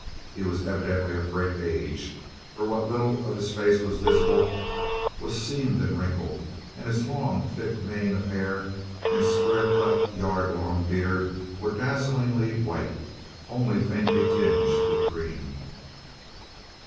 He was evidently of great age, for what little of his face was visible was seamed and wrinkled, and his long, thick mane of hair and his square cut, yard long beard were a dazzling white, only faintly tinged with green.